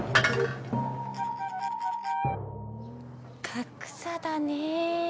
格差だね。